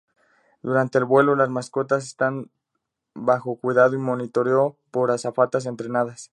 Durante el vuelo, las mascotas están bajo cuidado y monitoreo por azafatas entrenadas.